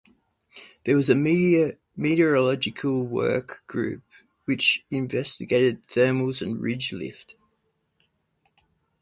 There was also a meteorological work group which investigated thermals and ridge-lift.